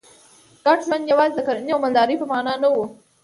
ګډ ژوند یوازې د کرنې او مالدارۍ په معنا نه و